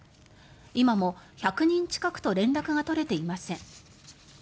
今も１００人近くと連絡が取れていません。